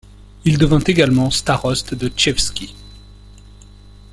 Il devint également staroste de Tczewski.